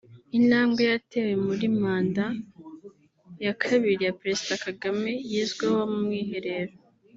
Intambwe yatewe muri manda ya Kabiri ya Perezida Kagame yizweho mu Mwiherero